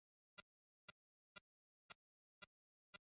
ঢাকার রাস্তায় গাড়ি নিয়ে সবচেয়ে বেশি সমস্যায় পড়তে হয় পার্কিং নিয়ে।